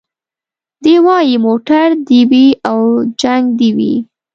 دی وايي موټر دي وي او جنګ دي وي